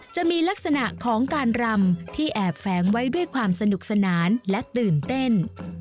จะมีลักษณะของการรำที่แอบแฝงไว้ด้วยความสนุกสนานและตื่นเต้น